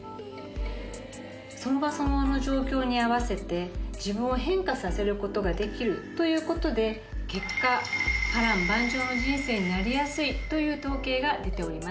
その場その場の状況に合わせて自分を変化させる事ができるという事で結果波瀾万丈の人生になりやすいという統計が出ております。